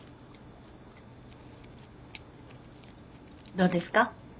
どうですか？